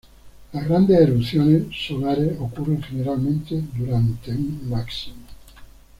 Las grandes erupciones solares ocurren generalmente durante un máximo.